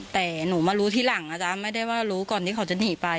แต่หนูมารู้ทีหลังนะจ๊ะไม่ได้ว่ารู้ก่อนที่เขาจะหนีไป